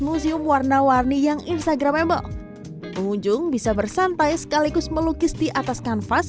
museum warna warni yang instagramable pengunjung bisa bersantai sekaligus melukis di atas kanvas